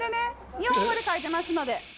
日本語で書いてますので。